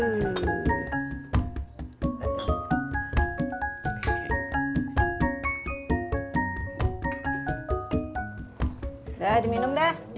udah diminum dah